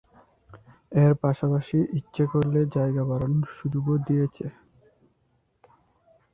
এর পাশাপাশি ইচ্ছে করলে জায়গা বাড়ানোর সুযোগও দিয়েছে।